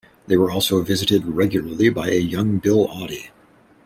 They were also visited regularly by a young Bill Oddie.